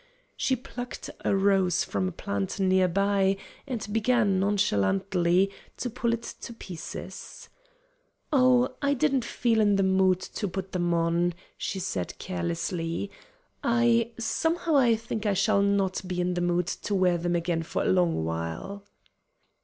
She plucked a rose from a plant near by, and began, nonchalantly, to pull it to pieces. "Oh, I I didn't feel in the mood to put them on," she said carelessly. "I somehow I think I shall not be in the mood to wear them again for a long while."